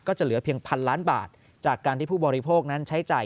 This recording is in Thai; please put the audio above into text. จะเหลือเพียงพันล้านบาทจากการที่ผู้บริโภคนั้นใช้จ่าย